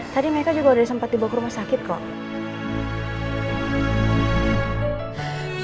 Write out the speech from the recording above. tadi mereka juga sudah sempat dibawa ke rumah sakit kok